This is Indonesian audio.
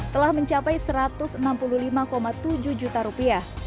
telah mencapai satu ratus enam puluh lima tujuh juta